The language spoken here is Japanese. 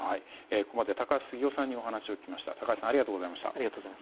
ここまで高橋杉雄さんにお話を伺いました。